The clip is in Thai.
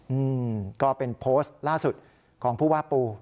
อืมก็เป็นโพสต์ล่าสุดของผู้ว่าปู